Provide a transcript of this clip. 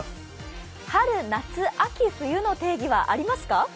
春夏秋冬の定義はありますか？